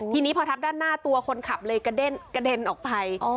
ทีนี้พอทับด้านหน้าตัวคนขับเลยกระเด็นออกไป